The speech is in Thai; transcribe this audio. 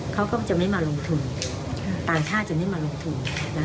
เขาก็จะไม่มาลงทุนต่างชาติจะไม่มาลงทุน